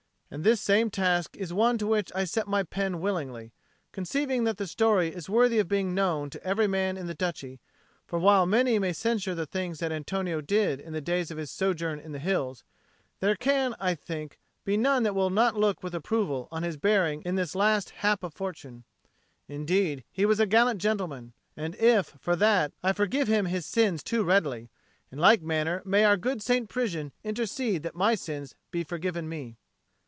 And this same task is one to which I set my pen willingly, conceiving that the story is worthy of being known to every man in the Duchy; for while many may censure the things that Antonio did in the days of his sojourn in the hills, there can, I think, be none that will not look with approval on his bearing in this last hap of fortune. Indeed he was a gallant gentleman; and if, for that, I forgive him his sins too readily, in like manner may our good St. Prisian intercede that my sins be forgiven me.